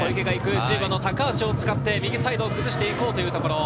１０番の高足を使って右サイドを崩して行こうというところ。